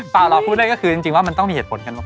ถ้าเรารอวันนึงกระเป๋าเขาแน่ต้องได้ที่เคียง